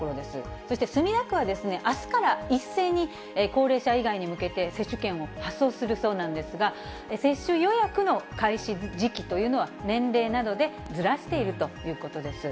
そして墨田区は、あすから一斉に高齢者以外に向けて、接種券を発送するそうなんですが、接種予約の開始時期というのは、年齢などでずらしているということです。